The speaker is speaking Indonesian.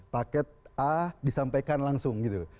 paket a disampaikan langsung gitu loh